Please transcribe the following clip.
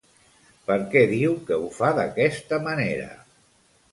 Per què diu que ho fa d'aquesta manera?